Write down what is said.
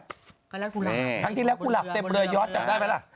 ทั้งที่แล้วครูหราดเต็มเรือยอดจับได้ไหมล่ะ